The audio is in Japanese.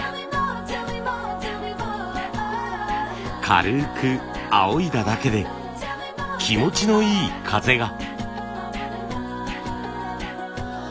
軽くあおいだだけで気持ちのいい風が。